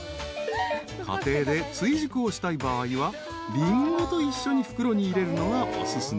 ［家庭で追熟をしたい場合はリンゴと一緒に袋に入れるのがお勧め］